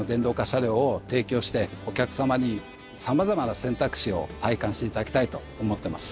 車両を提供してお客さまに様々な選択肢を体感していただきたいと思ってます。